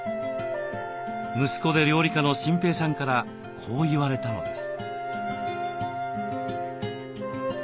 息子で料理家の心平さんからこう言われたのです。